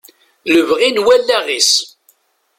Lebɣi n wallaɣ-is.